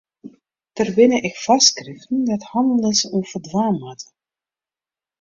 Der binne ek foarskriften dêr't hannelers oan foldwaan moatte.